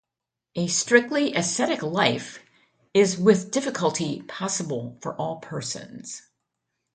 A strictly ascetic life is with difficulty possible for all persons.